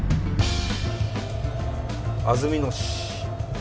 安曇野市。